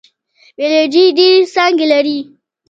بیولوژي ډیرې څانګې لري